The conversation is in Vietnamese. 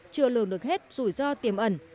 chưa lường được hết rủi ro tiềm ẩn